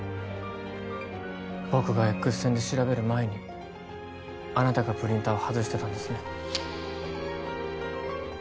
僕がエックス線で調べる前にあなたがプリンターを外してたんですね？